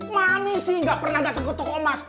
manis sih nggak pernah datang ke toko emas